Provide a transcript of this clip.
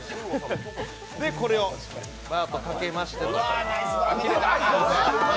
で、これをバーッとかけまして。